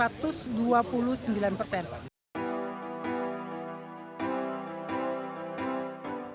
pemprov dki jakarta memperoleh perparkiran